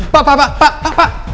pak pak pak